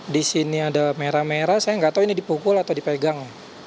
di sini ada merah merah saya nggak tahu ini dipukul atau dipegang